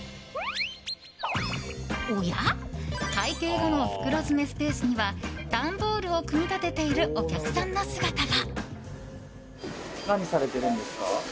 おや、会計後の袋詰めスペースには段ボールを組み立てているお客さんの姿が。